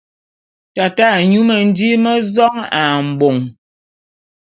Tate a nyú mendím mé zong ā mbong.